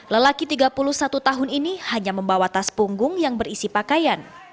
lelaki tiga puluh satu tahun ini hanya membawa tas punggung yang berisi pakaian